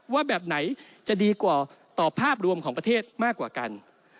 ว่าแบบไหนจะดีกว่าต่อภาพรวมของประเทศมากกว่ากัน